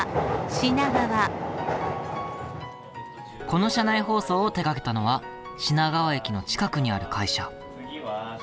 この車内放送を手がけたのは品川駅の近くにある会社。